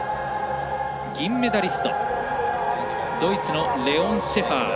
銀メダリストドイツのレオン・シェファー。